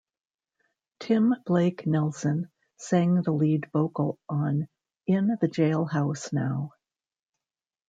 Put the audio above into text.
Tim Blake Nelson sang the lead vocal on "In the Jailhouse Now".